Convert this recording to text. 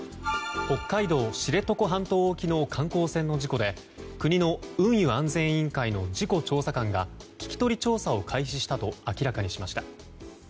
北海道知床半島沖の観光船の事故で国の運輸安全委員会の事故調査官が聞き取り調査を開始したと明らかにしました。